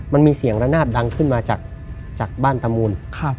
มันมีเสียงระนาดดังขึ้นมาจากบ้านตามูน